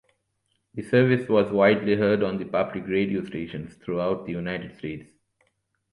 The service was widely heard on public radio stations throughout the United States.